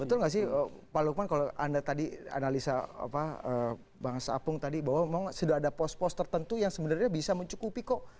betul nggak sih pak lukman kalau anda tadi analisa bang sapung tadi bahwa memang sudah ada pos pos tertentu yang sebenarnya bisa mencukupi kok